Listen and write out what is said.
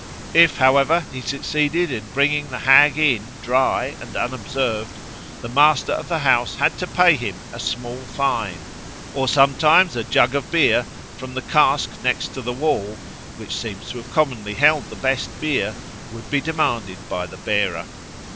If, however, he succeeded in bringing the Hag in dry and unobserved, the master of the house had to pay him a small fine; or sometimes a jug of beer "from the cask next to the wall," which seems to have commonly held the best beer, would be demanded by the bearer.